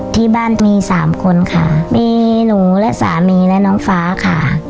ที่บ้านมีสามคนค่ะมีหนูและสามีและน้องฟ้าค่ะ